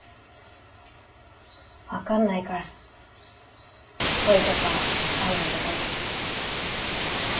分かんないから恋とか愛のことが。